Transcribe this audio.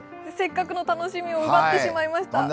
せっかくの楽しみを奪ってしまいました。